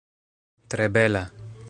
Tre bela!